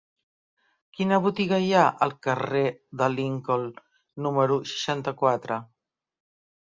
Quina botiga hi ha al carrer de Lincoln número seixanta-quatre?